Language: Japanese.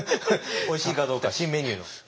おいしいかどうか新メニューの。